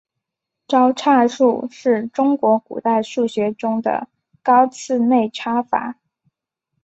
招差术是中国古代数学中的高次内插法。